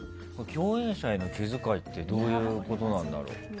共演者への気遣いってどういうことなんだろう。